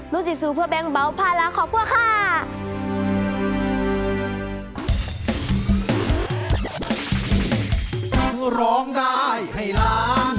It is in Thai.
นุจิสุเพื่อแบงค์เบาท์ภาระขอบคุณค่ะ